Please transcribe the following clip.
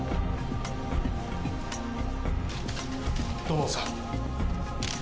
土門さん。